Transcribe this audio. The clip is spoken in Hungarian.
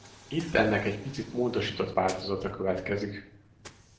Itt ennek egy picit módosított változata következik.